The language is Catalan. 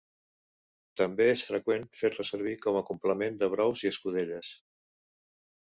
També és freqüent fer-la servir com a complement de brous i escudelles.